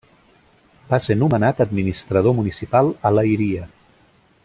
Va ser nomenat administrador municipal a Leiria.